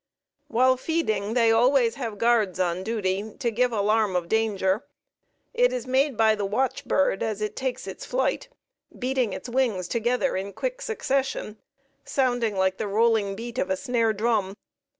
While feeding, they always have guards on duty, to give alarm of danger. It is made by the watch bird as it takes its flight, beating its wings together in quick succession, sounding like the rolling beat of a snare drum.